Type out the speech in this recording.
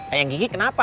ayang kiki kenapa